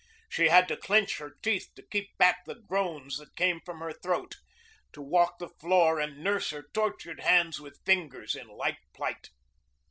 She had to clench her teeth to keep back the groans that came from her throat, to walk the floor and nurse her tortured hands with fingers in like plight.